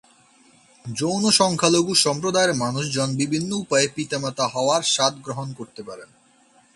যৌন সংখ্যালঘু সম্প্রদায়ের মানুষজন বিভিন্ন উপায়ে পিতামাতা হওয়ার স্বাদ গ্রহণ করতে পারেন।